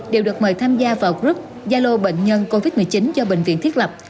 đều được mời tham gia vào group yalo bệnh nhân covid một mươi chín do bệnh viện thiết lập